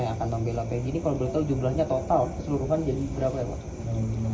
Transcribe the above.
yang akan membela ph ini kalau belum tahu jumlahnya total keseluruhan jadi berapa pak